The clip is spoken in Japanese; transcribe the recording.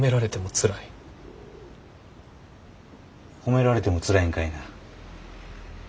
褒められてもつらいんかいな。